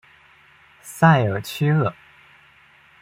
塞尔屈厄。